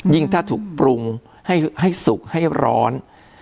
ถ้าถูกปรุงให้สุกให้ร้อน